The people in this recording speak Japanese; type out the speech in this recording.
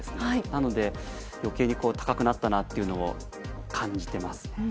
なので、余計に高くなったなというのを感じています。